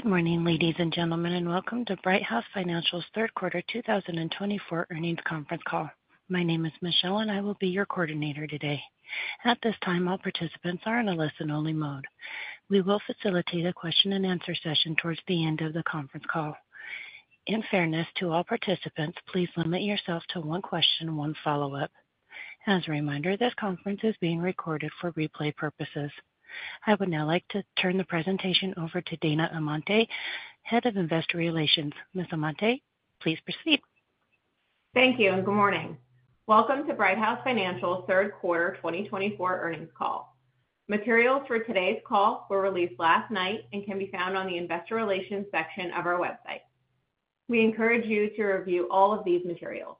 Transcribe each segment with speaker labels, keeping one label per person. Speaker 1: Good morning, ladies and gentlemen, and welcome to Brighthouse Financial Third Quarter 2024 Earnings Conference Call. My name is Michelle, and I will be your coordinator today. At this time, all participants are in a listen-only mode. We will facilitate a Q&A session towards the end of the conference call. In fairness to all participants, please limit yourself to one question and one follow-up. As a reminder, this conference is being recorded for replay purposes. I would now like to turn the presentation over to Dana Amante, Head of Investor Relations. Ms. Amante, please proceed.
Speaker 2: Thank you, and good morning. Welcome to Brighthouse Financial Third Quarter 2024 Earnings Call. Materials for today's call were released last night and can be found on the Investor Relations section of our website. We encourage you to review all of these materials.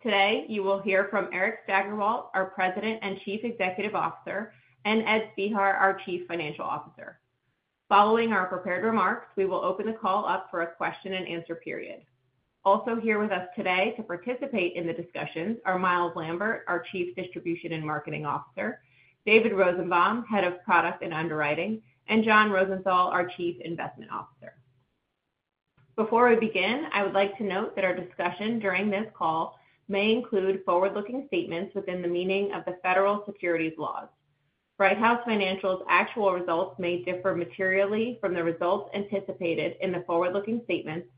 Speaker 2: Today, you will hear from Eric Steigerwalt, our President and Chief Executive Officer, and Ed Spehar, our Chief Financial Officer. Following our prepared remarks, we will open the call up for a Q&A period. Also here with us today to participate in the discussion are Myles Lambert, our Chief Distribution and Marketing Officer, David Rosenbaum, Head of Product and Underwriting, and John Rosenthal, our Chief Investment Officer. Before we begin, I would like to note that our discussion during this call may include forward-looking statements within the meaning of the federal securities laws. Brighthouse Financial actual results may differ materially from the results anticipated in the forward-looking statements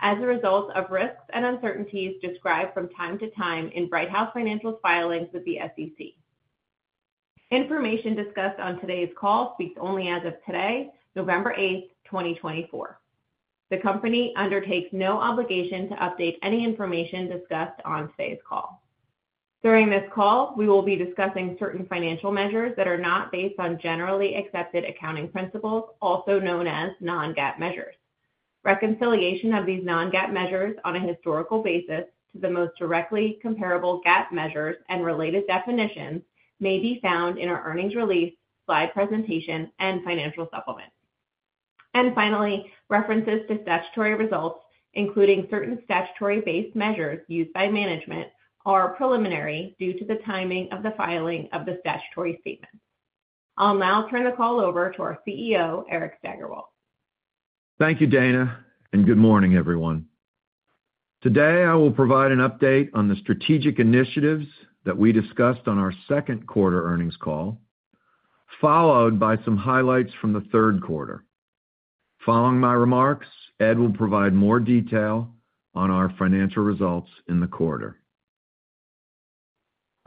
Speaker 2: as a result of risks and uncertainties described from time to time in Brighthouse Financial filings with the SEC. Information discussed on today's call speaks only as of today, November 8, 2024. The company undertakes no obligation to update any information discussed on today's call. During this call, we will be discussing certain financial measures that are not based on generally accepted accounting principles, also known as non-GAAP measures. Reconciliation of these non-GAAP measures on a historical basis to the most directly comparable GAAP measures and related definitions may be found in our earnings release, slide presentation, and financial supplement. And finally, references to statutory results, including certain statutory-based measures used by management, are preliminary due to the timing of the filing of the statutory statements. I'll now turn the call over to our CEO, Eric Steigerwalt.
Speaker 3: Thank you, Dana, and good morning, everyone. Today, I will provide an update on the strategic initiatives that we discussed on our Second Quarter Earnings Call, followed by some highlights from the third quarter. Following my remarks, Ed will provide more detail on our financial results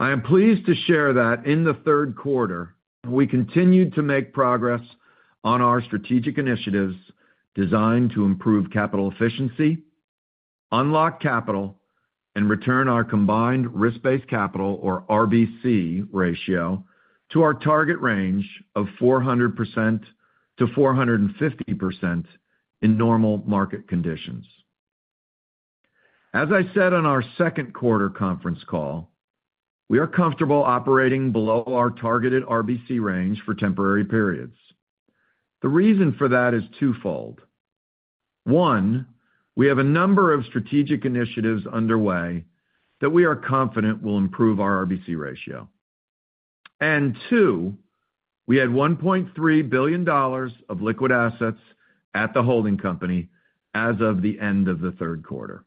Speaker 3: in the quarter. I am pleased to share that in the third quarter, we continued to make progress on our strategic initiatives designed to improve capital efficiency, unlock capital, and return our combined risk-based capital, or RBC ratio to our target range of 400%-450% in normal market conditions. As I said on our second quarter conference call, we are comfortable operating below our targeted RBC range for temporary periods. The reason for that is twofold. One, we have a number of strategic initiatives underway that we are confident will improve our RBC ratio. And two, we had $1.3 billion of liquid assets at the holding company as of the end of the third quarter.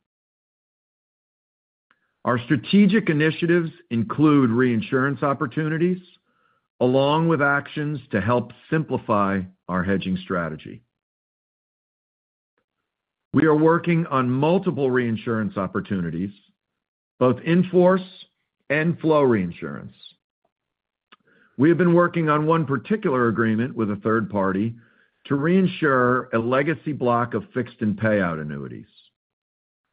Speaker 3: Our strategic initiatives include reinsurance opportunities, along with actions to help simplify our hedging strategy. We are working on multiple reinsurance opportunities, both in-force and flow reinsurance. We have been working on one particular agreement with a third party to reinsure a legacy block of fixed and payout annuities.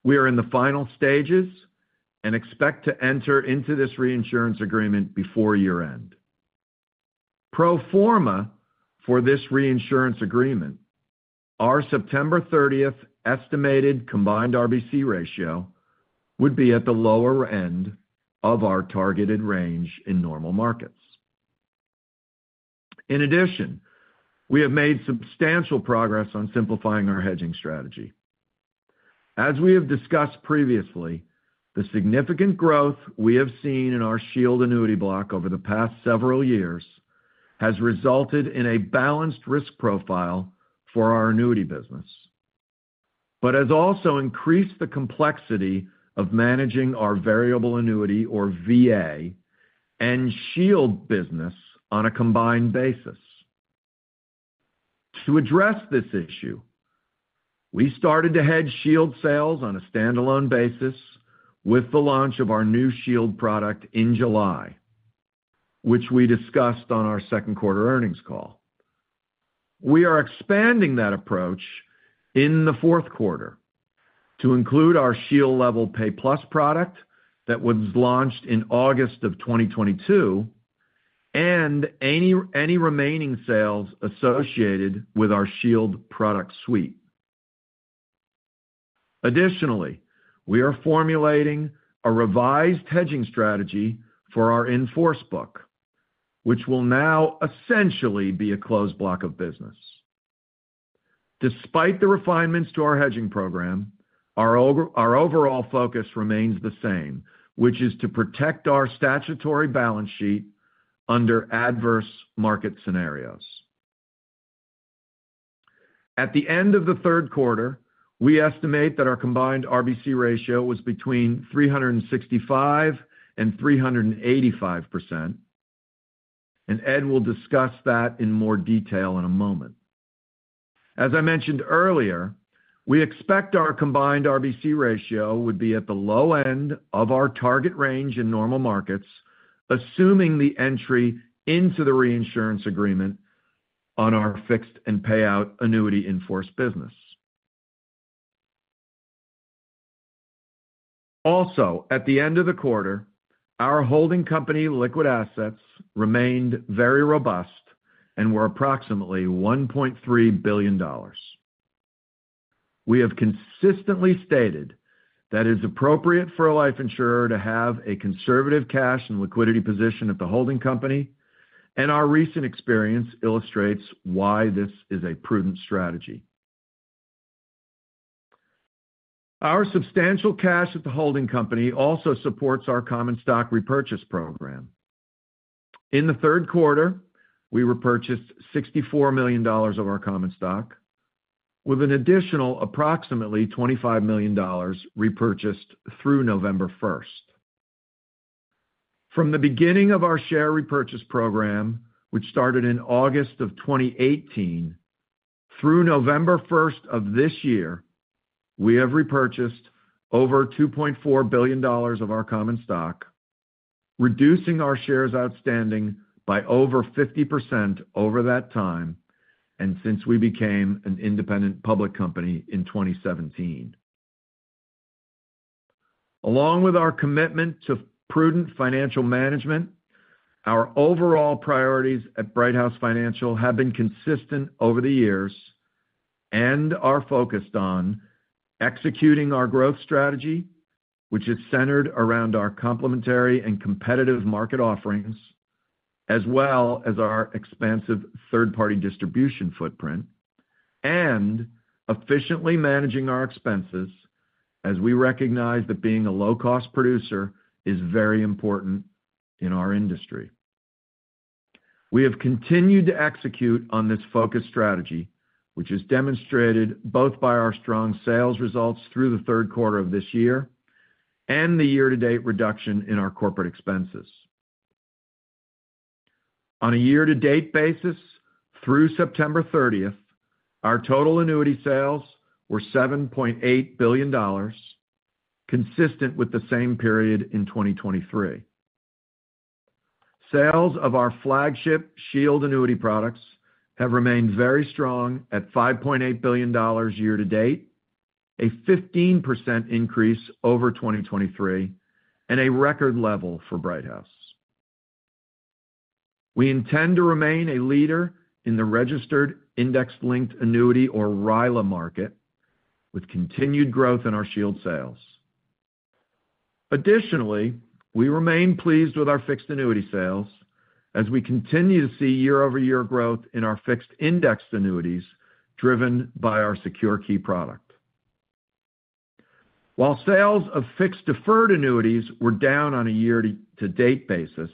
Speaker 3: We are in the final stages and expect to enter into this reinsurance agreement before year-end. Pro forma for this reinsurance agreement, our September 30th estimated combined RBC ratio would be at the lower end of our targeted range in normal markets. In addition, we have made substantial progress on simplifying our hedging strategy. As we have discussed previously, the significant growth we have seen in our Shield annuity block over the past several years has resulted in a balanced risk profile for our annuity business, but has also increased the complexity of managing our variable annuity, or VA, and Shield business on a combined basis. To address this issue, we started to hedge Shield sales on a standalone basis with the launch of our new Shield product in July, which we discussed on our second quarter earnings call. We are expanding that approach in the fourth quarter to include our Shield Level Pay Plus product that was launched in August of 2022 and any remaining sales associated with our Shield product suite. Additionally, we are formulating a revised hedging strategy for our in-force book, which will now essentially be a closed block of business. Despite the refinements to our hedging program, our overall, our overall focus remains the same, which is to protect our statutory balance sheet under adverse market scenarios. At the end of the third quarter, we estimate that our combined RBC ratio was between 365% and 385%, and Ed will discuss that in more detail in a moment. As I mentioned earlier, we expect our combined RBC ratio would be at the low end of our target range in normal markets, assuming the entry into the reinsurance agreement on our fixed and payout annuity in-force business. Also, at the end of the quarter, our holding company liquid assets remained very robust and were approximately $1.3 billion. We have consistently stated that it is appropriate for a life insurer to have a conservative cash and liquidity position at the holding company, and our recent experience illustrates why this is a prudent strategy. Our substantial cash at the holding company also supports our common stock repurchase program. In the third quarter, we repurchased $64 million of our common stock, with an additional approximately $25 million repurchased through November 1. From the beginning of our share repurchase program, which started in August of 2018, through November 1 of this year, we have repurchased over $2.4 billion of our common stock, reducing our shares outstanding by over 50% over that time and since we became an independent public company in 2017. Along with our commitment to prudent financial management, our overall priorities at Brighthouse Financial have been consistent over the years and are focused on executing our growth strategy, which is centered around our complementary and competitive market offerings, as well as our expansive third-party distribution footprint, and efficiently managing our expenses as we recognize that being a low-cost producer is very important in our industry. We have continued to execute on this focused strategy, which is demonstrated both by our strong sales results through the third quarter of this year and the year-to-date reduction in our corporate expenses. On a year-to-date basis, through September 30th, our total annuity sales were $7.8 billion, consistent with the same period in 2023. Sales of our flagship Shield annuity products have remained very strong at $5.8 billion year-to-date, a 15% increase over 2023, and a record level for Brighthouse. We intend to remain a leader in the registered index-linked annuity, or RILA, market, with continued growth in our Shield sales. Additionally, we remain pleased with our fixed annuity sales as we continue to see year-over-year growth in our fixed indexed annuities driven by our SecureKey product. While sales of fixed deferred annuities were down on a year-to-date basis,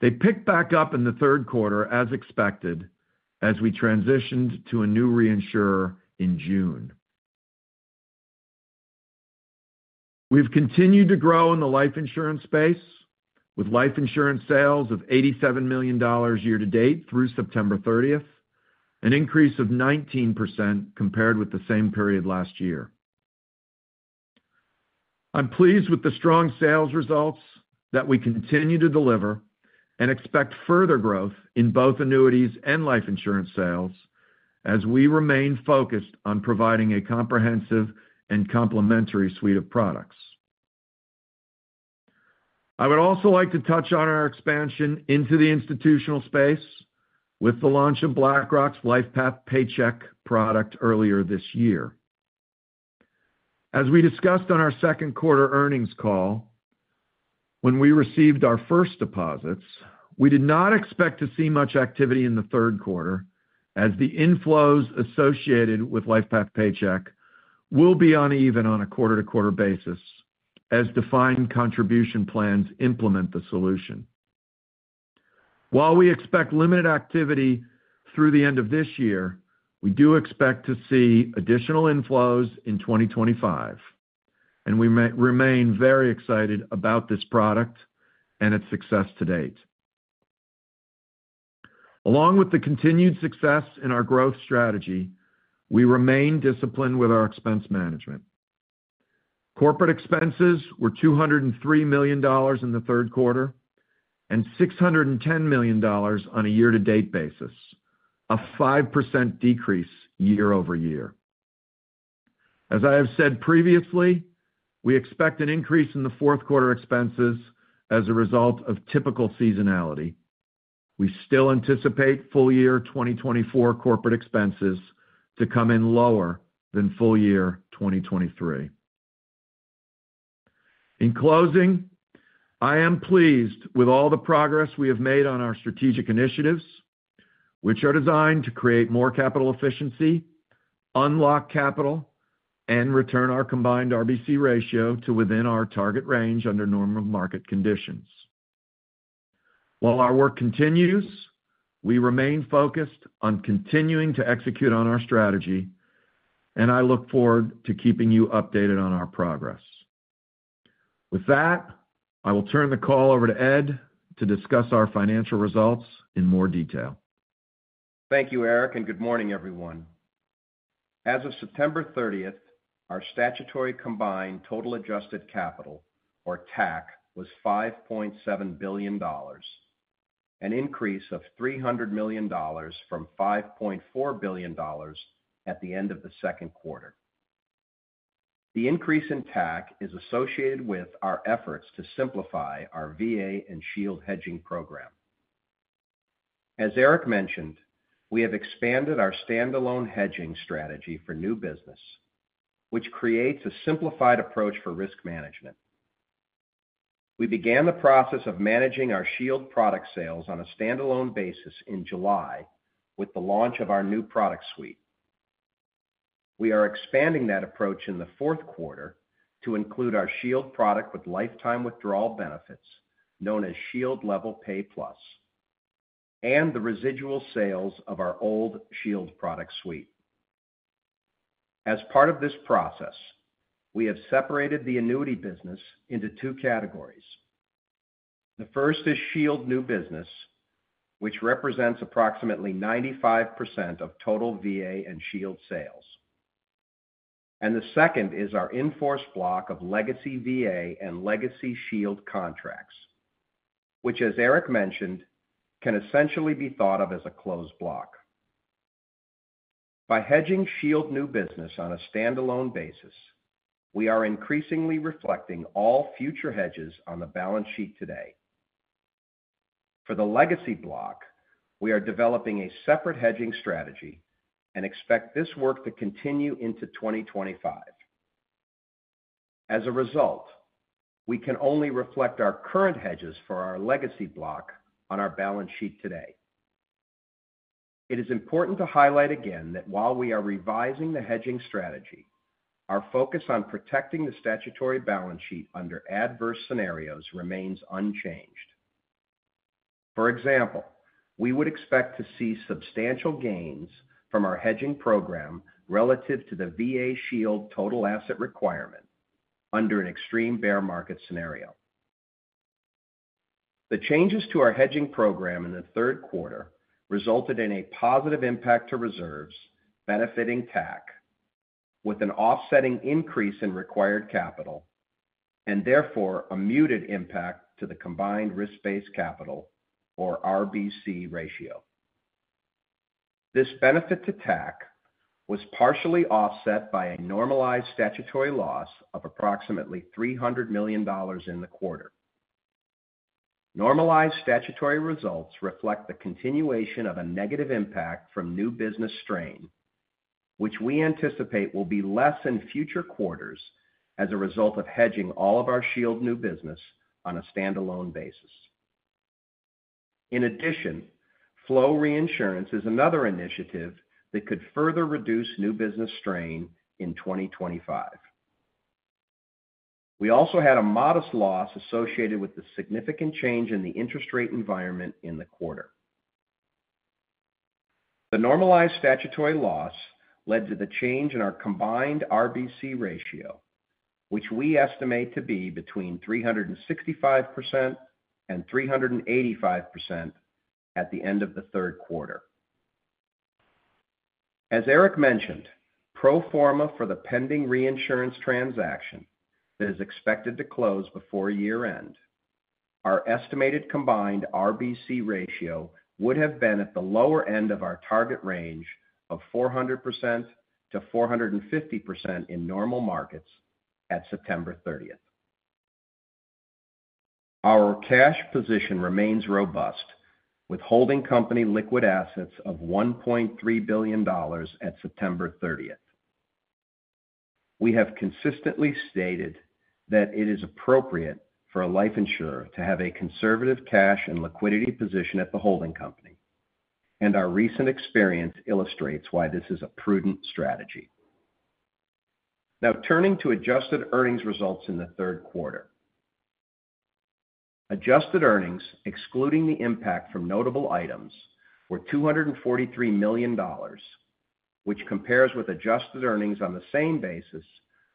Speaker 3: they picked back up in the third quarter as expected as we transitioned to a new reinsurer in June. We've continued to grow in the life insurance space, with life insurance sales of $87 million year-to-date through September 30th, an increase of 19% compared with the same period last year. I'm pleased with the strong sales results that we continue to deliver and expect further growth in both annuities and life insurance sales as we remain focused on providing a comprehensive and complementary suite of products. I would also like to touch on our expansion into the institutional space with the launch of BlackRock LifePath Paycheck product earlier this year. As we discussed on our second quarter earnings call, when we received our first deposits, we did not expect to see much activity in the third quarter as the inflows associated with LifePath Paycheck will be uneven on a quarter-to-quarter basis as defined contribution plans implement the solution. While we expect limited activity through the end of this year, we do expect to see additional inflows in 2025, and we remain very excited about this product and its success to date. Along with the continued success in our growth strategy, we remain disciplined with our expense management. Corporate expenses were $203 million in the third quarter and $610 million on a year-to-date basis, a 5% decrease year-over-year. As I have said previously, we expect an increase in the fourth quarter expenses as a result of typical seasonality. We still anticipate full-year 2024 corporate expenses to come in lower than full-year 2023. In closing, I am pleased with all the progress we have made on our strategic initiatives, which are designed to create more capital efficiency, unlock capital, and return our combined RBC ratio to within our target range under normal market conditions. While our work continues, we remain focused on continuing to execute on our strategy, and I look forward to keeping you updated on our progress. With that, I will turn the call over to Ed to discuss our financial results in more detail.
Speaker 4: Thank you, Eric, and good morning, everyone. As of September 30th, our statutory combined total adjusted capital, or TAC, was $5.7 billion, an increase of $300 million from $5.4 billion at the end of the second quarter. The increase in TAC is associated with our efforts to simplify our VA and Shield hedging program. As Eric mentioned, we have expanded our standalone hedging strategy for new business, which creates a simplified approach for risk management. We began the process of managing our Shield product sales on a standalone basis in July with the launch of our new product suite. We are expanding that approach in the fourth quarter to include our Shield product with lifetime withdrawal benefits known as Shield Level Pay Plus and the residual sales of our old Shield product suite. As part of this process, we have separated the annuity business into two categories. The first is Shield new business, which represents approximately 95% of total VA and Shield sales. And the second is our in-force block of legacy VA and legacy Shield contracts, which, as Eric mentioned, can essentially be thought of as a closed block. By hedging Shield new business on a standalone basis, we are increasingly reflecting all future hedges on the balance sheet today. For the legacy block, we are developing a separate hedging strategy and expect this work to continue into 2025. As a result, we can only reflect our current hedges for our legacy block on our balance sheet today. It is important to highlight again that while we are revising the hedging strategy, our focus on protecting the statutory balance sheet under adverse scenarios remains unchanged. For example, we would expect to see substantial gains from our hedging program relative to the VA Shield Total Asset Requirement under an extreme bear market scenario. The changes to our hedging program in the third quarter resulted in a positive impact to reserves benefiting TAC, with an offsetting increase in required capital and therefore a muted impact to the combined risk-based capital, or RBC ratio. This benefit to TAC was partially offset by a normalized statutory loss of approximately $300 million in the quarter. Normalized statutory results reflect the continuation of a negative impact from new business strain, which we anticipate will be less in future quarters as a result of hedging all of our Shield new business on a standalone basis. In addition, flow reinsurance is another initiative that could further reduce new business strain in 2025. We also had a modest loss associated with the significant change in the interest rate environment in the quarter. The normalized statutory loss led to the change in our combined RBC ratio, which we estimate to be between 365% and 385% at the end of the third quarter. As Eric mentioned, pro forma for the pending reinsurance transaction that is expected to close before year-end, our estimated combined RBC ratio would have been at the lower end of our target range of 400%-450% in normal markets at September 30th. Our cash position remains robust, with holding company liquid assets of $1.3 billion at September 30th. We have consistently stated that it is appropriate for a life insurer to have a conservative cash and liquidity position at the holding company, and our recent experience illustrates why this is a prudent strategy. Now, turning to adjusted earnings results in the third quarter. Adjusted earnings, excluding the impact from notable items, were $243 million, which compares with adjusted earnings on the same basis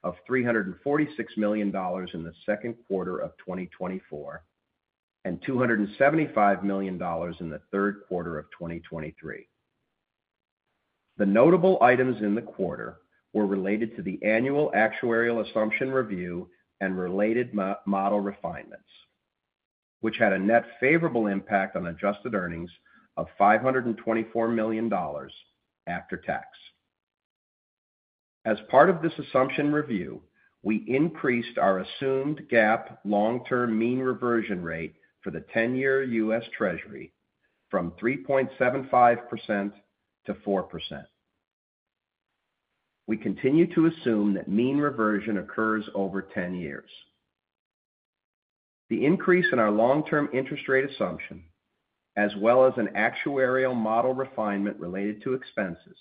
Speaker 4: of $346 million in the second quarter of 2024 and $275 million in the third quarter of 2023. The notable items in the quarter were related to the annual actuarial assumption review and related model refinements, which had a net favorable impact on adjusted earnings of $524 million after tax. As part of this assumption review, we increased our assumed GAAP long-term mean reversion rate for the 10-year U.S. Treasury from 3.75% to 4%. We continue to assume that mean reversion occurs over 10 years. The increase in our long-term interest rate assumption, as well as an actuarial model refinement related to expenses,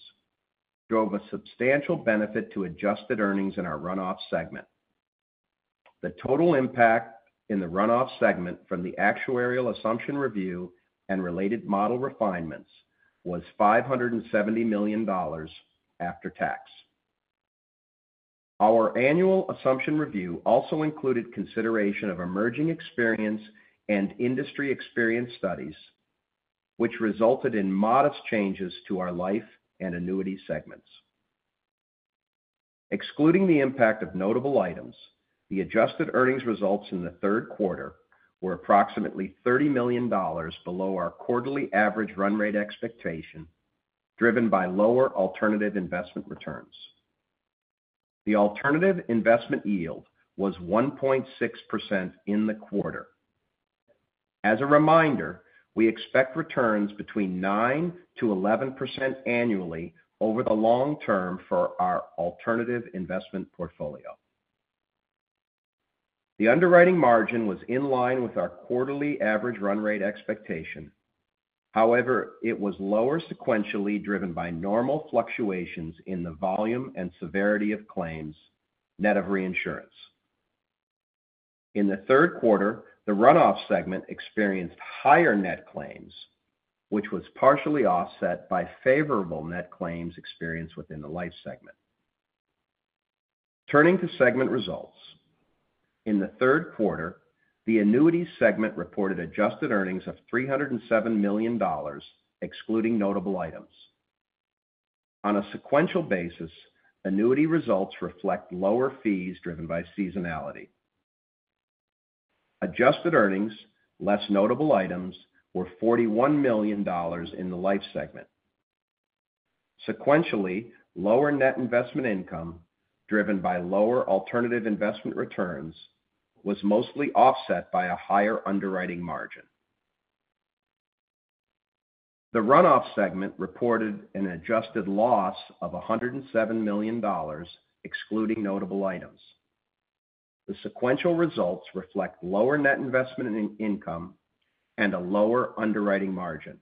Speaker 4: drove a substantial benefit to adjusted earnings in our runoff segment. The total impact in the runoff segment from the actuarial assumption review and related model refinements was $570 million after tax. Our annual assumption review also included consideration of emerging experience and industry experience studies, which resulted in modest changes to our life and annuity segments. Excluding the impact of notable items, the adjusted earnings results in the third quarter were approximately $30 million below our quarterly average run rate expectation, driven by lower alternative investment returns. The alternative investment yield was 1.6% in the quarter. As a reminder, we expect returns between 9%-11% annually over the long term for our alternative investment portfolio. The underwriting margin was in line with our quarterly average run rate expectation. However, it was lower sequentially driven by normal fluctuations in the volume and severity of claims net of reinsurance. In the third quarter, the runoff segment experienced higher net claims, which was partially offset by favorable net claims experience within the life segment. Turning to segment results, in the third quarter, the annuity segment reported adjusted earnings of $307 million, excluding notable items. On a sequential basis, annuity results reflect lower fees driven by seasonality. Adjusted earnings, less notable items, were $41 million in the life segment. Sequentially, lower net investment income driven by lower alternative investment returns was mostly offset by a higher underwriting margin. The runoff segment reported an adjusted loss of $107 million, excluding notable items. The sequential results reflect lower net investment income and a lower underwriting margin.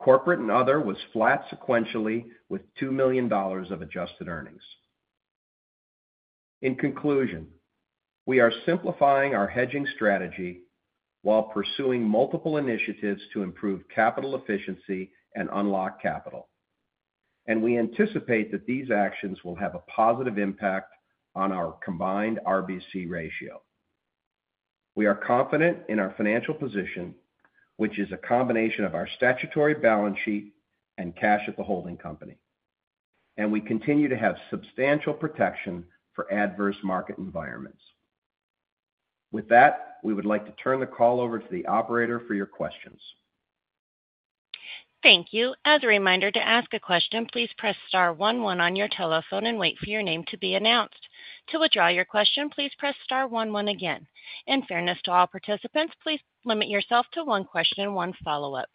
Speaker 4: Corporate and other was flat sequentially with $2 million of adjusted earnings. In conclusion, we are simplifying our hedging strategy while pursuing multiple initiatives to improve capital efficiency and unlock capital, and we anticipate that these actions will have a positive impact on our combined RBC ratio. We are confident in our financial position, which is a combination of our statutory balance sheet and cash at the holding company, and we continue to have substantial protection for adverse market environments. With that, we would like to turn the call over to the operator for your questions.
Speaker 1: Thank you. As a reminder, to ask a question, please press star one one on your telephone and wait for your name to be announced. To withdraw your question, please press star one one again. In fairness to all participants, please limit yourself to one question and one follow-up.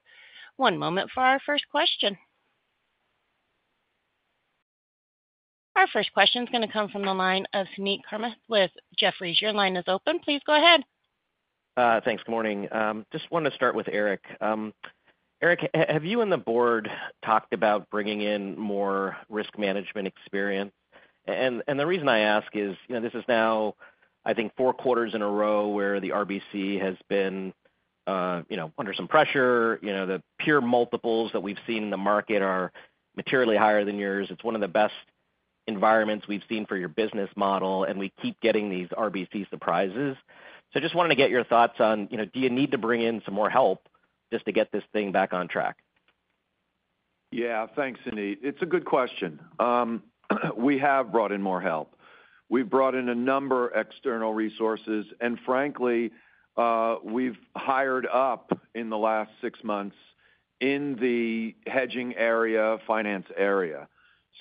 Speaker 1: One moment for our first question. Our first question is going to come from the line of Suneet Kamath. Jefferies, your line is open. Please go ahead.
Speaker 5: Thanks. Good morning. Just wanted to start with Eric. Eric, have you and the board talked about bringing in more risk management experience? And the reason I ask is this is now, I think, four quarters in a row where the RBC has been under some pressure. The pure multiples that we've seen in the market are materially higher than yours. It's one of the best environments we've seen for your business model, and we keep getting these RBC surprises. So just wanted to get your thoughts on, do you need to bring in some more help just to get this thing back on track?
Speaker 3: Yeah, thanks, Suneet. It's a good question. We have brought in more help. We've brought in a number of external resources, and frankly, we've hired up in the last six months in the hedging area, finance area.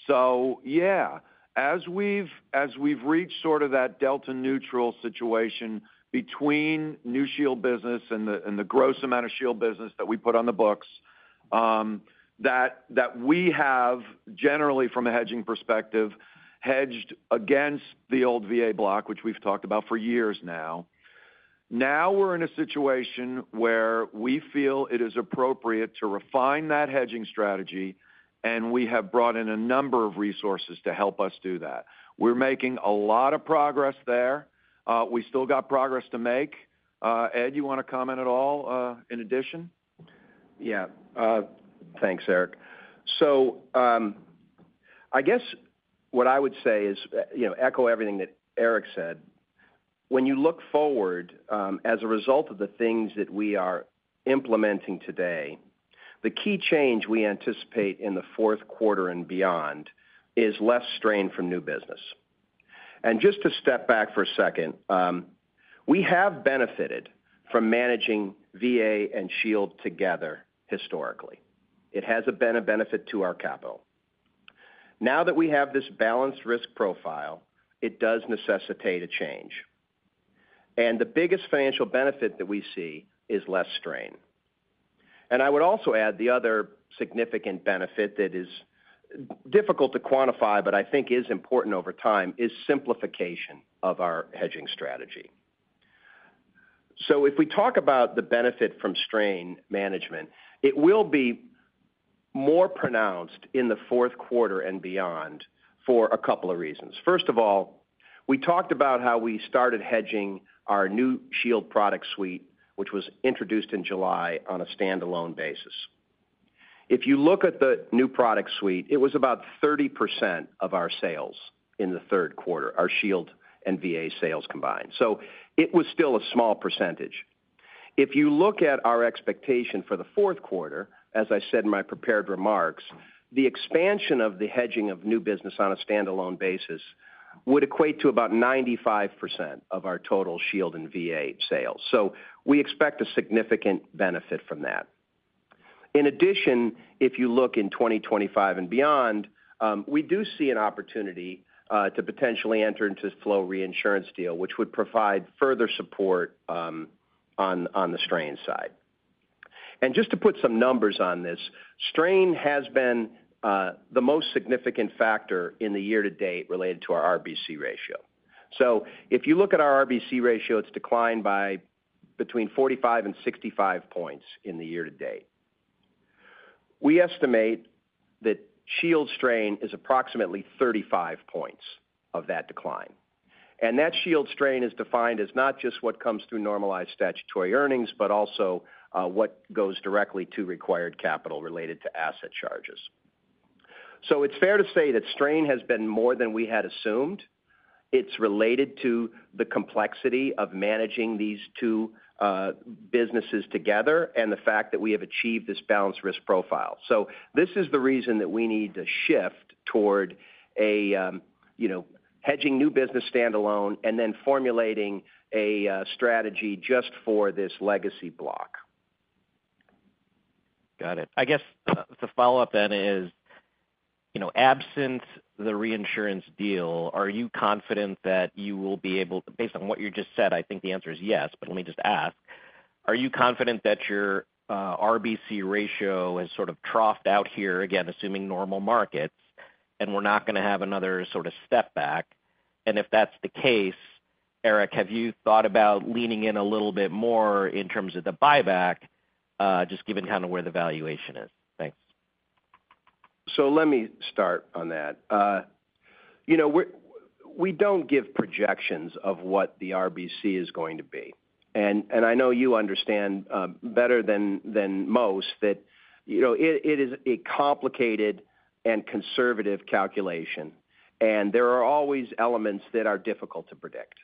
Speaker 3: So yeah, as we've, as we've reached sort of that delta neutral situation between new Shield business and the gross amount of Shield business that we put on the books, that that we have, generally from a hedging perspective, hedged against the old VA block, which we've talked about for years now. Now we're in a situation where we feel it is appropriate to refine that hedging strategy, and we have brought in a number of resources to help us do that. We're making a lot of progress there. We still got progress to make. Ed, you want to comment at all in addition?
Speaker 4: Yeah, thanks, Eric. So I guess what I would say is echo everything that Eric said. When you look forward, as a result of the things that we are implementing today, the key change we anticipate in the fourth quarter and beyond is less strain from new business. And just to step back for a second, we have benefited from managing VA and Shield together historically. It has been a benefit to our capital. Now that we have this balanced risk profile, it does necessitate a change. And the biggest financial benefit that we see is less strain. And I would also add the other significant benefit that is difficult to quantify, but I think is important over time, is simplification of our hedging strategy. So if we talk about the benefit from strain management, it will be more pronounced in the fourth quarter and beyond for a couple of reasons. First of all, we talked about how we started hedging our new Shield product suite, which was introduced in July on a standalone basis. If you look at the new product suite, it was about 30% of our sales in the third quarter, our Shield and VA sales combined. So it was still a small percentage. If you look at our expectation for the fourth quarter, as I said in my prepared remarks, the expansion of the hedging of new business on a standalone basis would equate to about 95% of our total Shield and VA sales. So we expect a significant benefit from that. In addition, if you look in 2025 and beyond, we do see an opportunity to potentially enter into a flow reinsurance deal, which would provide further support on on the strain side. And just to put some numbers on this, strain has been the most significant factor in the year to date related to our RBC ratio. So if you look at our RBC ratio, it's declined by between 45 and 65 points in the year to date. We estimate that Shield strain is approximately 35 points of that decline. And that Shield strain is defined as not just what comes through normalized statutory earnings, but also what goes directly to required capital related to asset charges. So it's fair to say that strain has been more than we had assumed. It's related to the complexity of managing these two businesses together and the fact that we have achieved this balanced risk profile, so this is the reason that we need to shift toward a, you know, hedging new business standalone and then formulating a strategy just for this legacy block.
Speaker 5: Got it. I guess the follow-up then is, absent the reinsurance deal, are you confident that you will be able to, based on what you just said, I think the answer is yes, but let me just ask, are you confident that your RBC ratio has sort of troughed out here, again, assuming normal markets, and we're not going to have another sort of step back? And if that's the case, Eric, have you thought about leaning in a little bit more in terms of the buyback, just given kind of where the valuation is? Thanks.
Speaker 4: So let me start on that. We don't give projections of what the RBC is going to be. And I know you understand better than most that it is a complicated and conservative calculation, and there are always elements that are difficult to predict.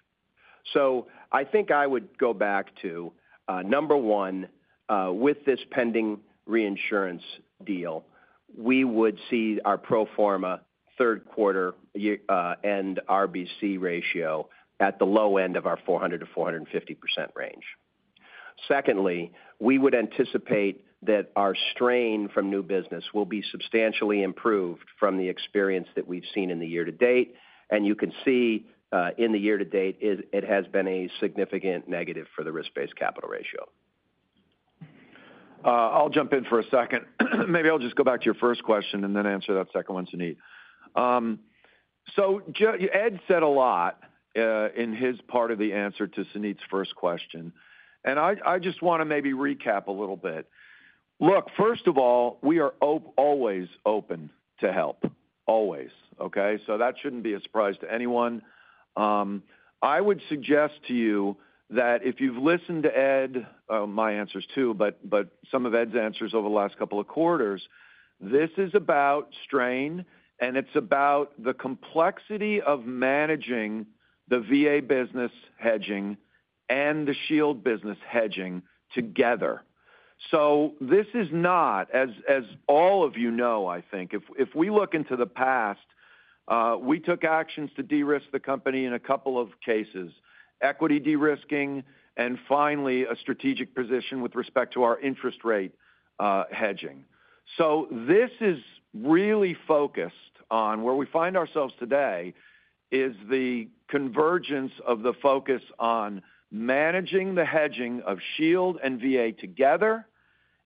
Speaker 4: So I think I would go back to, number one, with this pending reinsurance deal, we would see our pro forma third quarter and RBC ratio at the low end of our 400%-450% range. Secondly, we would anticipate that our strain from new business will be substantially improved from the experience that we've seen in the year to date. And you can see in the year to date it has been a significant negative for the risk-based capital ratio.
Speaker 3: I'll jump in for a second. Maybe I'll just go back to your first question and then answer that second one, Suneet. So Ed said a lot in his part of the answer to Suneet's first question. And I just want to maybe recap a little bit. Look, first of all, we are always open to help. Always. Okay? So that shouldn't be a surprise to anyone. I would suggest to you that if you've listened to Ed, my answers too, but some of Ed's answers over the last couple of quarters, this is about strain, and it's about the complexity of managing the VA business hedging and the Shield business hedging together. So this is not, as all of you know, I think, if we look into the past, we took actions to de-risk the company in a couple of cases, equity de-risking, and finally, a strategic position with respect to our interest rate hedging. So this is really focused on where we find ourselves today is the convergence of the focus on managing the hedging of Shield and VA together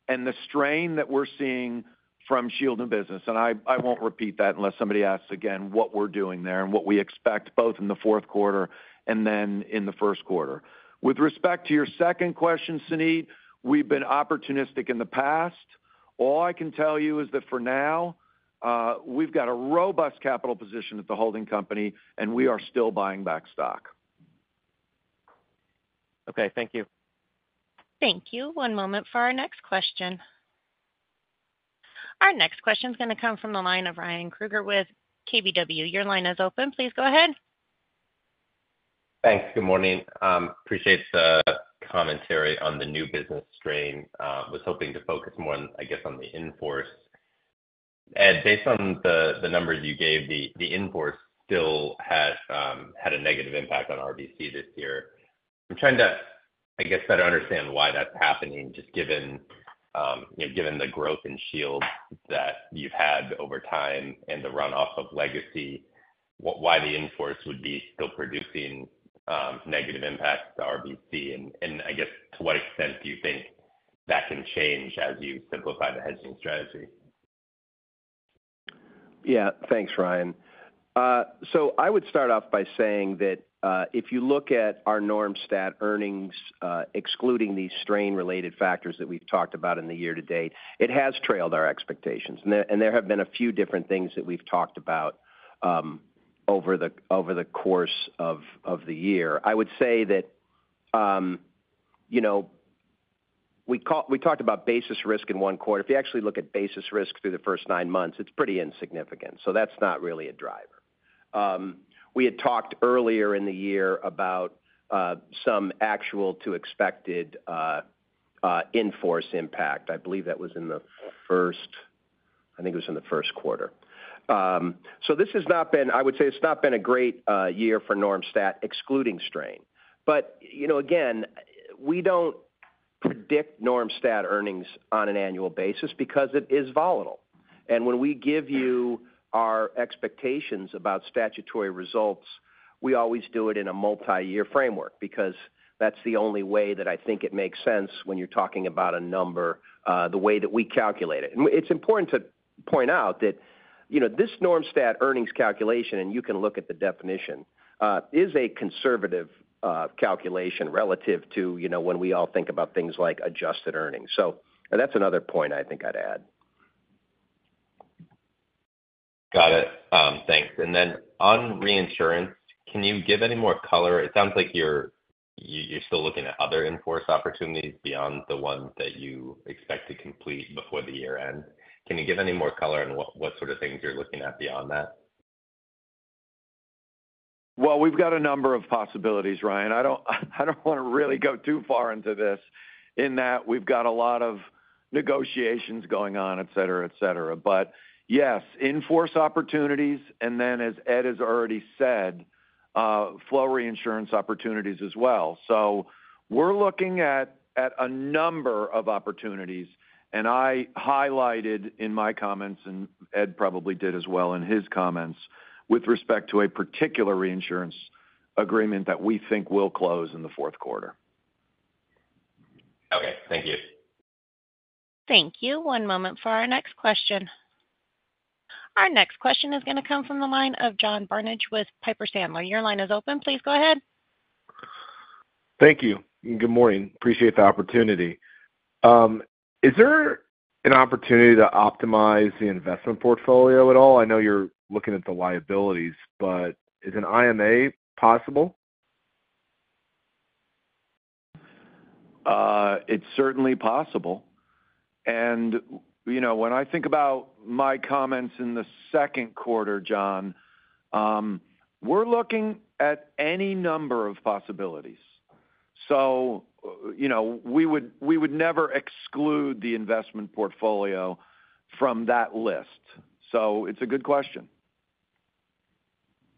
Speaker 3: and the strain that we're seeing from Shield and business. And I won't repeat that unless somebody asks again what we're doing there and what we expect both in the fourth quarter and then in the first quarter. With respect to your second question, Suneet, we've been opportunistic in the past. All I can tell you is that for now, we've got a robust capital position at the holding company, and we are still buying back stock.
Speaker 5: Okay. Thank you.
Speaker 1: Thank you. One moment for our next question. Our next question is going to come from the line of Ryan Krueger with KBW. Your line is open. Please go ahead.
Speaker 6: Thanks. Good morning. Appreciate the commentary on the new business strain. I was hoping to focus more, I guess, on the in-force. Ed, based on the numbers you gave, the in-force still had a negative impact on RBC this year. I'm trying to, I guess, better understand why that's happening, just given the growth in Shield that you've had over time and the runoff of legacy, why the in-force would be still producing negative impacts to RBC. And I guess, to what extent do you think that can change as you simplify the hedging strategy?
Speaker 4: Yeah, thanks, Ryan. So I would start off by saying that if you look at our norm stat earnings, excluding these strain-related factors that we've talked about in the year to date, it has trailed our expectations. And there have been a few different things that we've talked about over the course of the year. I would say that we talked about basis risk in one quarter. If you actually look at basis risk through the first nine months, it's pretty insignificant. So that's not really a driver. We had talked earlier in the year about some actual to expected in-force impact. I believe that was in the first, I think it was in the first quarter. So this has not been, I would say it's not been a great year for norm stat, excluding strain. But you know again, we don't predict normalized statutory earnings on an annual basis because it is volatile. And when we give you our expectations about statutory results, we always do it in a multi-year framework because that's the only way that I think it makes sense when you're talking about a number, the way that we calculate it. And it's important to point out that this normalized statutory earnings calculation, and you can look at the definition, is a conservative calculation relative to, you know, when we all think about things like adjusted earnings. So that's another point I think I'd add.
Speaker 6: Got it. Thanks. And then on reinsurance, can you give any more color? It sounds like you're still looking at other in-force opportunities beyond the one that you expect to complete before the year end. Can you give any more color on what sort of things you're looking at beyond that?
Speaker 3: Well, we've got a number of possibilities, Ryan. I don't want to really go too far into this in that we've got a lot of negotiations going on, et cetera, et cetera. But yes, in-force opportunities, and then as Ed has already said, flow reinsurance opportunities as well. So we're looking at a number of opportunities. And I highlighted in my comments, and Ed probably did as well in his comments, with respect to a particular reinsurance agreement that we think will close in the fourth quarter.
Speaker 6: Okay. Thank you.
Speaker 1: Thank you. One moment for our next question. Our next question is going to come from the line of John Barnidge with Piper Sandler. Your line is open. Please go ahead.
Speaker 7: Thank you. Good morning. Appreciate the opportunity. Is there an opportunity to optimize the investment portfolio at all? I know you're looking at the liabilities, but is an IMA possible?
Speaker 3: It's certainly possible, and you know, when I think about my comments in the second quarter, John, we're looking at any number of possibilities, so you know, we would, we would never exclude the investment portfolio from that list, so it's a good question.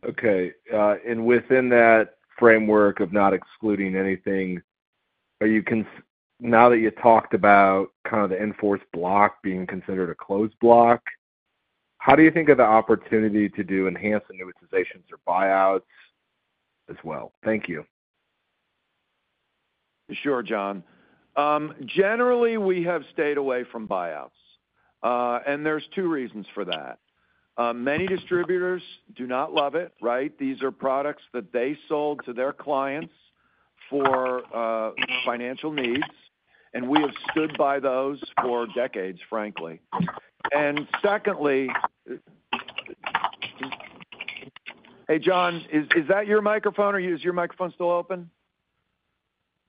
Speaker 7: Okay. And within that framework of not excluding anything, now that you talked about kind of the in-force block being considered a closed block, how do you think of the opportunity to do enhancing utilizations or buyouts as well? Thank you.
Speaker 3: Sure, John. Generally, we have stayed away from buyouts. And there's two reasons for that. Many distributors do not love it, right? These are products that they sold to their clients for financial needs. And we have stood by those for decades, frankly. And secondly. Hey, John, is that your microphone or is your microphone still open?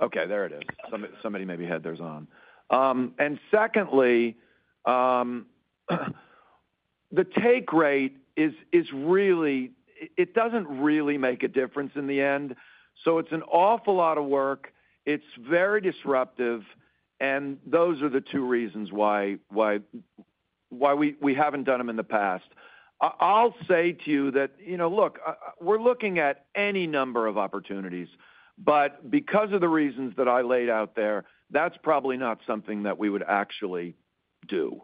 Speaker 3: Okay. There it is. Somebody maybe had theirs on. And secondly, the take rate is really, it doesn't really make a difference in the end. So it's an awful lot of work. It's very disruptive. And those are the two reasons why why we haven't done them in the past. I'll say to you that, look, we're looking at any number of opportunities. But because of the reasons that I laid out there, that's probably not something that we would actually do.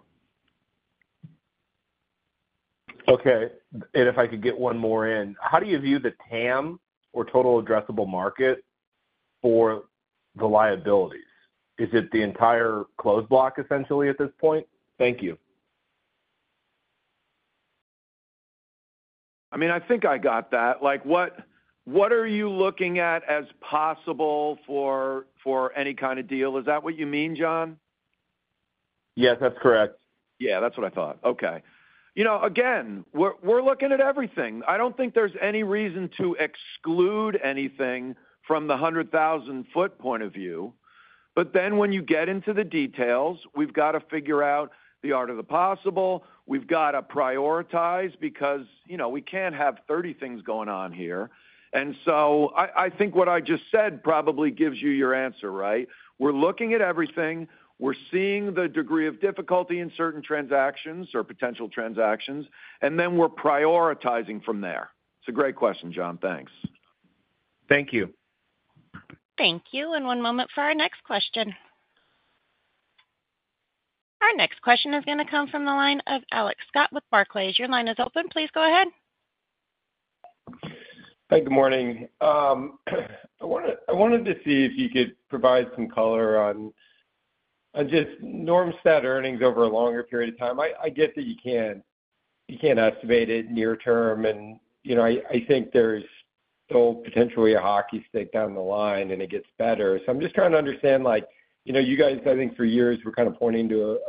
Speaker 7: Okay. And if I could get one more in, how do you view the TAM or total addressable market for the liabilities? Is it the entire closed block essentially at this point? Thank you.
Speaker 3: I mean, I think I got that. What are you looking at as possible for for any kind of deal? Is that what you mean, John?
Speaker 7: Yes, that's correct.
Speaker 3: Yeah, that's what I thought. Okay. You know again, we're looking at everything. I don't think there's any reason to exclude anything from the 100,000-foot point of view. But then when you get into the details, we've got to figure out the art of the possible. We've got to prioritize because we can't have 30 things going on here. And so I think what I just said probably gives you your answer, right? We're looking at everything. We're seeing the degree of difficulty in certain transactions or potential transactions. And then we're prioritizing from there. It's a great question, John. Thanks.
Speaker 7: Thank you.
Speaker 1: Thank you. And one moment for our next question. Our next question is going to come from the line of Alex Scott with Barclays. Your line is open. Please go ahead.
Speaker 8: Hi, good morning. I wanted to see if you could provide some color on just norm stat earnings over a longer period of time. I get that you can't estimate it near term, and I think there's still potentially a hockey stick down the line and it gets better, so I'm just trying to understand, you guys, I think for years, were kind of pointing to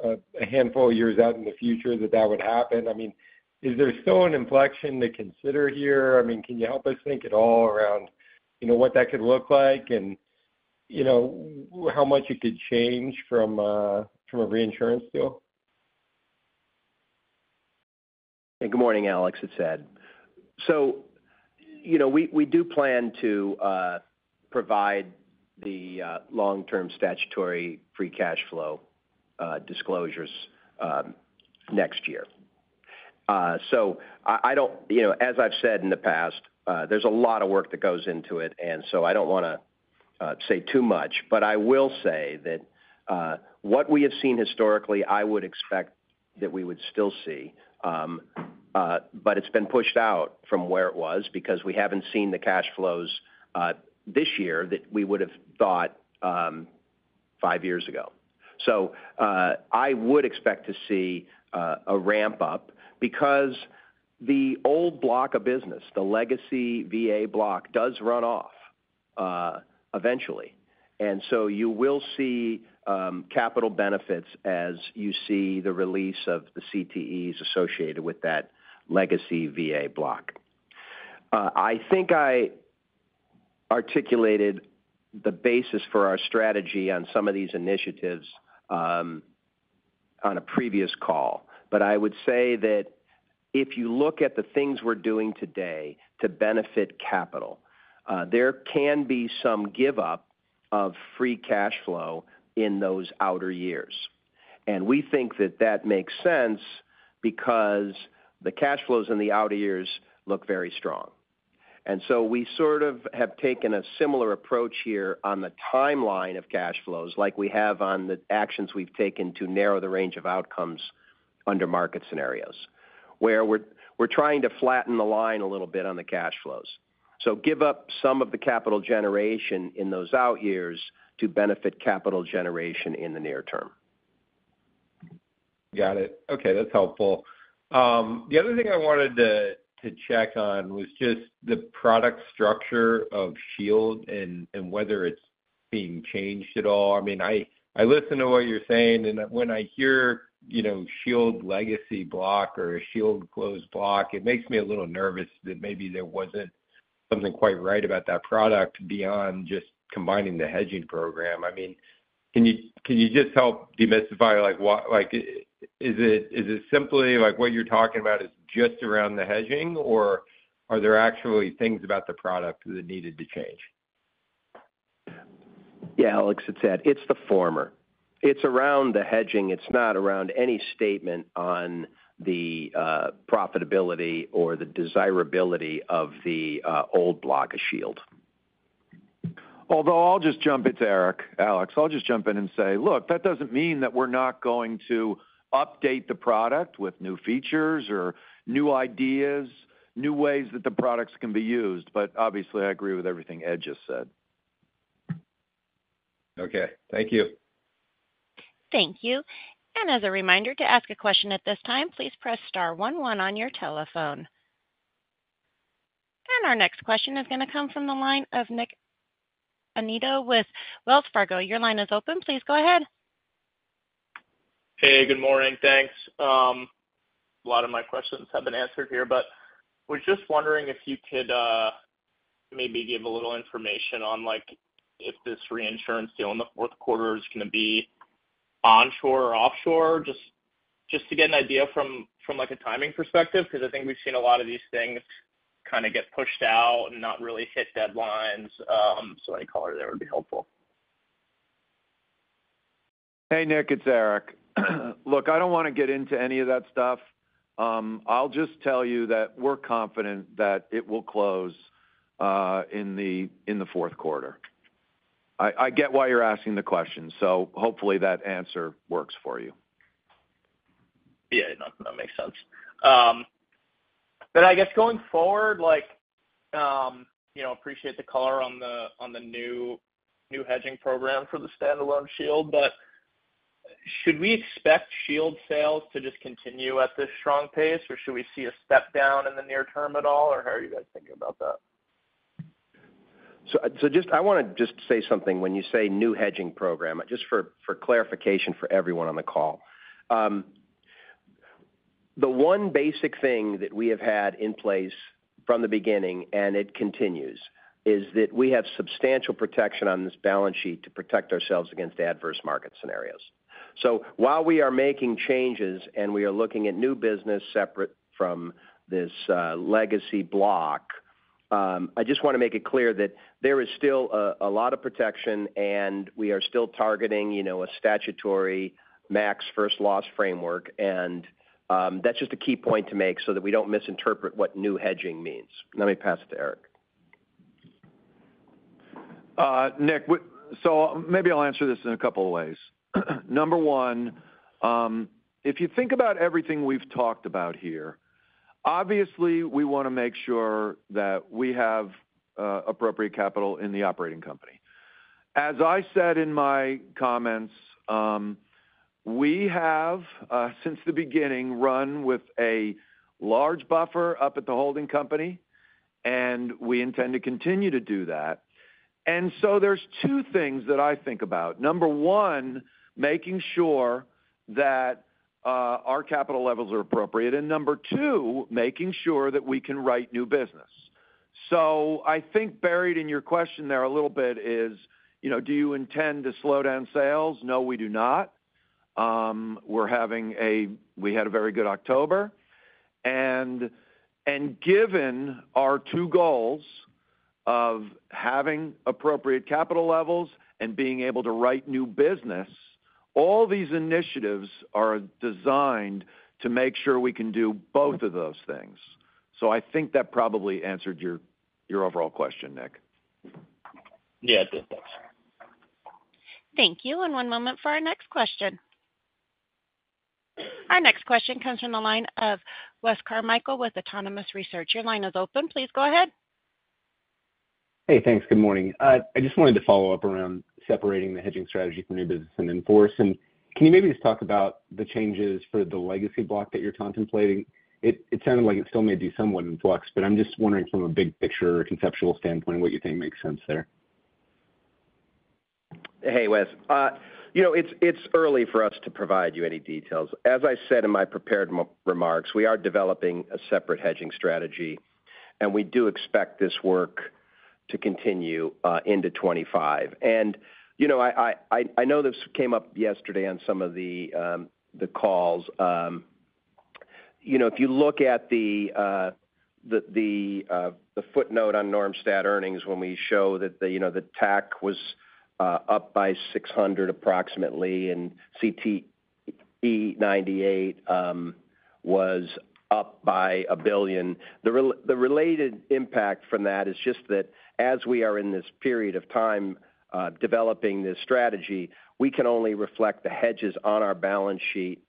Speaker 8: a handful of years out in the future that that would happen. I mean, is there still an inflection to consider here? I mean, can you help us think at all around what that could look like and how much it could change from a reinsurance deal?
Speaker 4: Hey, good morning, Alex. It's Ed. So we do plan to provide the long-term statutory free cash flow disclosures next year. So as I've said in the past, there's a lot of work that goes into it. And so I don't want to say too much. But I will say that what we have seen historically, I would expect that we would still see. But it's been pushed out from where it was because we haven't seen the cash flows this year that we would have thought five years ago. So I would expect to see a ramp-up because the old block of business, the legacy VA block, does run off eventually. And so you will see capital benefits as you see the release of the CTEs associated with that legacy VA block. I think I articulated the basis for our strategy on some of these initiatives on a previous call. But I would say that if you look at the things we're doing today to benefit capital, there can be some give-up of free cash flow in those outer years. And we think that that makes sense because the cash flows in the outer years look very strong. And so we sort of have taken a similar approach here on the timeline of cash flows like we have on the actions we've taken to narrow the range of outcomes under market scenarios, where we're trying to flatten the line a little bit on the cash flows. So give up some of the capital generation in those out years to benefit capital generation in the near term.
Speaker 8: Got it. Okay. That's helpful. The other thing I wanted to check on was just the product structure of Shield and whether it's being changed at all. I mean, I listen to what you're saying. And when I hear Shield legacy block or Shield closed block, it makes me a little nervous that maybe there wasn't something quite right about that product beyond just combining the hedging program. I mean, can you, can you just help demystify? Is it, is it simply like what you're talking about is just around the hedging, or are there actually things about the product that needed to change?
Speaker 4: Yeah, Alex, it's Ed. It's the former. It's around the hedging. It's not around any statement on the profitability or the desirability of the old block of Shield.
Speaker 3: Although I'll just jump in, too, Alex. I'll just jump in and say, look, that doesn't mean that we're not going to update the product with new features or new ideas, new ways that the products can be used. But obviously, I agree with everything Ed just said.
Speaker 8: Okay. Thank you.
Speaker 1: Thank you. And as a reminder to ask a question at this time, please press star one one on your telephone. And our next question is going to come from the line of Nick Annitto with Wells Fargo. Your line is open. Please go ahead.
Speaker 9: Hey, good morning. Thanks. A lot of my questions have been answered here. But we're just wondering if you could maybe give a little information on if this reinsurance deal in the fourth quarter is going to be onshore or offshore, just to get an idea from a timing perspective, because I think we've seen a lot of these things kind of get pushed out and not really hit deadlines. So any color there would be helpful.
Speaker 3: Hey, Nick, it's Eric. Look, I don't want to get into any of that stuff. I'll just tell you that we're confident that it will close in the fourth quarter. I get why you're asking the question. So hopefully that answer works for you.
Speaker 9: Yeah, that makes sense. But I guess going forward like, I appreciate the color on the new hedging program for the standalone Shield. But should we expect Shield sales to just continue at this strong pace, or should we see a step down in the near term at all, or how are you guys thinking about that?
Speaker 4: So I want to just say something when you say new hedging program, just for clarification for everyone on the call. The one basic thing that we have had in place from the beginning, and it continues, is that we have substantial protection on this balance sheet to protect ourselves against adverse market scenarios. So while we are making changes and we are looking at new business separate from this legacy block, I just want to make it clear that there is still a lot of protection, and we are still targeting a statutory max first loss framework. And that's just a key point to make so that we don't misinterpret what new hedging means. Let me pass it to Eric.
Speaker 3: Nick, so maybe I'll answer this in a couple of ways. Number one, if you think about everything we've talked about here, obviously, we want to make sure that we have appropriate capital in the operating company. As I said in my comments, we have, since the beginning, run with a large buffer up at the holding company, and we intend to continue to do that. And so there's two things that I think about. Number one, making sure that our capital levels are appropriate. And number two, making sure that we can write new business. So I think buried in your question there a little bit is, do you intend to slow down sales? No, we do not. We're having a, we had a very good October. And and given our two goals of having appropriate capital levels and being able to write new business, all these initiatives are designed to make sure we can do both of those things. So I think that probably answered your overall question, Nick.
Speaker 9: Yeah, it did. Thanks.
Speaker 1: Thank you. One moment for our next question. Our next question comes from the line of Wes Carmichael with Autonomous Research. Your line is open. Please go ahead.
Speaker 10: Hey, thanks. Good morning. I just wanted to follow up around separating the hedging strategy for new business and in-force. And can you maybe just talk about the changes for the legacy block that you're contemplating? It sounded like it still may be somewhat in flux, but I'm just wondering from a big picture or conceptual standpoint what you think makes sense there.
Speaker 4: Hey, Wes. You know, it's early for us to provide you any details. As I said in my prepared remarks, we are developing a separate hedging strategy, and we do expect this work to continue into 2025. And you know, I know this came up yesterday on some of the calls. You know, if you look at the the footnote on normalized statutory earnings when we show that the TAC was up by 600 approximately and CTE 98 was up by a billion, the the related impact from that is just that as we are in this period of time developing this strategy, we can only reflect the hedges on our balance sheet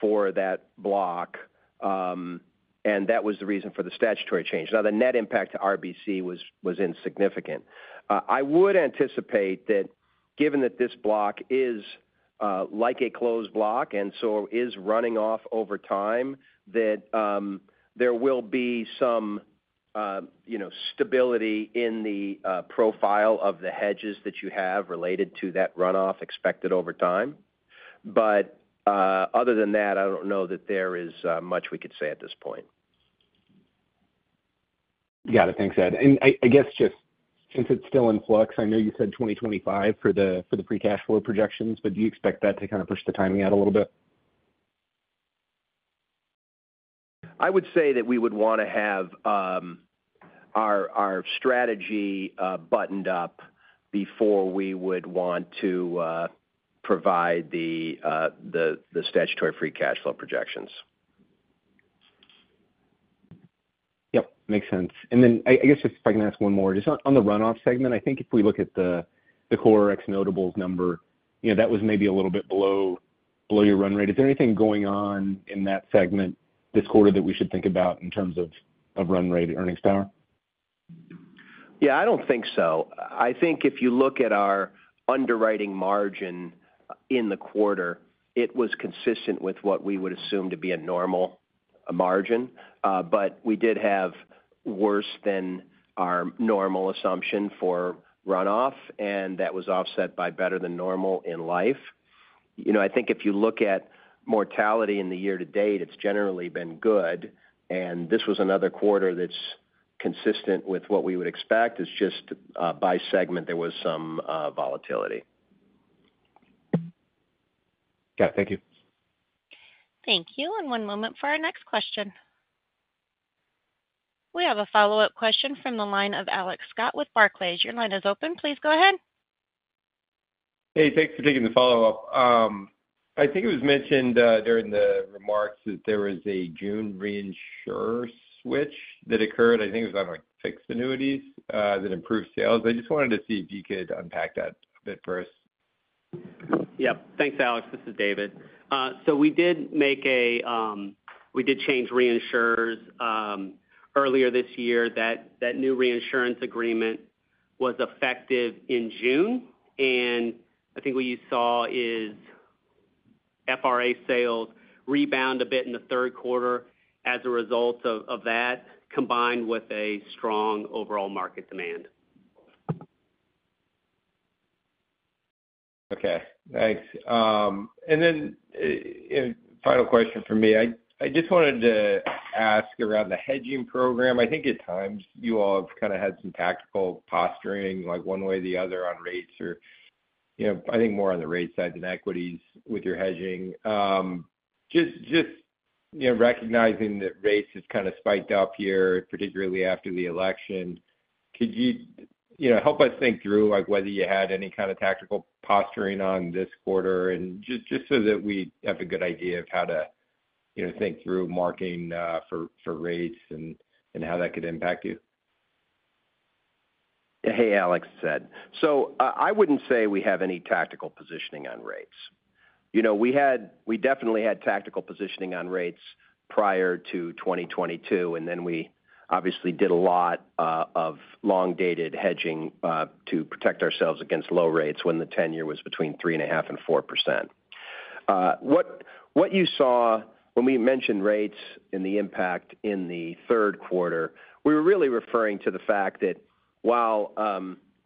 Speaker 4: for that block. And that was the reason for the statutory change. Now, the net impact to RBC was insignificant. I would anticipate that given that this block is like a closed block and so is running off over time, that there will be some stability in the profile of the hedges that you have related to that runoff expected over time. But other than that, I don't know that there is much we could say at this point.
Speaker 10: Got it. Thanks, Ed. And I guess just since it's still in flux, I know you said 2025 for the free cash flow projections, but do you expect that to kind of push the timing out a little bit?
Speaker 4: I would say that we would want to have our our strategy buttoned up before we would want to provide the statutory free cash flow projections.
Speaker 10: Yep. Makes sense. And then I guess just if I can ask one more, just on the runoff segment, I think if we look at the core ex-notables number, that was maybe a little bit below your run rate. Is there anything going on in that segment this quarter that we should think about in terms of run rate earnings power?
Speaker 4: Yeah, I don't think so. I think if you look at our underwriting margin in the quarter, it was consistent with what we would assume to be a normal margin. But we did have worse than our normal assumption for runoff, and that was offset by better than normal in life. I think if you look at mortality in the year to date, it's generally been good. And this was another quarter that's consistent with what we would expect. It's just by segment, there was some volatility.
Speaker 10: Got it. Thank you.
Speaker 1: Thank you, and one moment for our next question. We have a follow-up question from the line of Alex Scott with Barclays. Your line is open. Please go ahead.
Speaker 8: Hey, thanks for taking the follow-up. I think it was mentioned during the remarks that there was a June reinsurance switch that occurred. I think it was on fixed annuities that improved sales. I just wanted to see if you could unpack that a bit first.
Speaker 11: Yep. Thanks, Alex. This is David. So we did make a change reinsurers earlier this year. That new reinsurance agreement was effective in June. And I think what you saw is FRA sales rebound a bit in the third quarter as a result of that, combined with a strong overall market demand.
Speaker 8: Okay. Thanks. And then final question for me. I just wanted to ask around the hedging program. I think at times you all have kind of had some tactical positioning one way or the other on rates, or I think more on the rate side than equities with your hedging. Just just recognizing that rates have kind of spiked up here, particularly after the election, could you help us think through whether you had any kind of tactical positioning in this quarter? And just so that we have a good idea of how to think through modeling for rates and how that could impact you.
Speaker 4: Hey, Alex, it's Ed. So I wouldn't say we have any tactical positioning on rates. You know we had, we definitely had tactical positioning on rates prior to 2022, and then we obviously did a lot of long-dated hedging to protect ourselves against low rates when the ten-year was between 3.5% and 4%. What you saw when we mentioned rates and the impact in the third quarter, we were really referring to the fact that while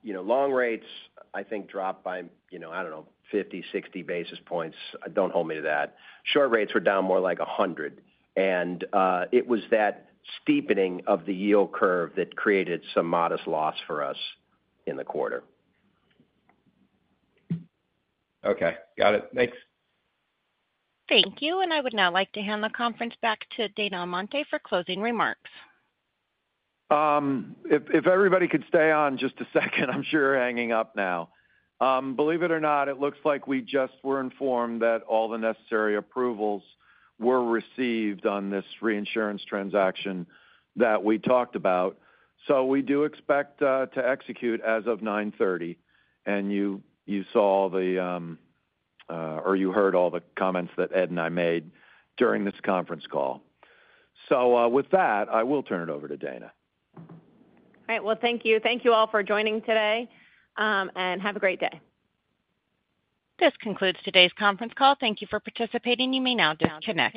Speaker 4: long rates, I think, dropped by, I don't know, 50, 60 basis points (don't hold me to that), short rates were down more like 100 basis points. And it was that steepening of the yield curve that created some modest loss for us in the quarter.
Speaker 8: Okay. Got it. Thanks.
Speaker 1: Thank you. And I would now like to hand the conference back to Dana Amante for closing remarks.
Speaker 3: If everybody could stay on just a second, I'm sure we're not hanging up now. Believe it or not, it looks like we just were informed that all the necessary approvals were received on this reinsurance transaction that we talked about. So we do expect to execute as of 9:30 A.M. And you, you saw or you heard all the comments that Ed and I made during this conference call. So with that, I will turn it over to Dana.
Speaker 2: All right, well, thank you. Thank you all for joining today, and have a great day.
Speaker 1: This concludes today's conference call. Thank you for participating. You may now disconnect.